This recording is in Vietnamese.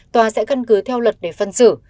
tòa sẽ cân cứ theo luật để phân xử